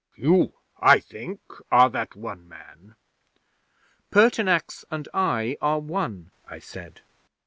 You, I think, are that one man." '"Pertinax and I are one," I said.